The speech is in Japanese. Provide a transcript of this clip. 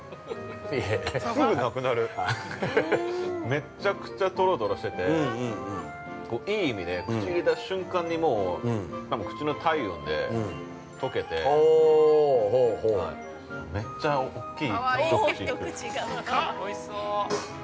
めっちゃくちゃ、とろとろしてていい意味で、口に入れた瞬間にもう、口の体温で溶けてめっちゃ大きい一口で。